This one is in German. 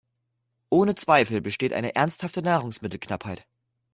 Ohne Zweifel besteht eine ernsthafte Nahrungsmittelknappheit.